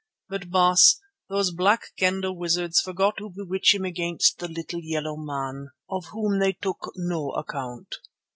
But, Baas, those Black Kendah wizards forgot to bewitch him against the little yellow man, of whom they took no account.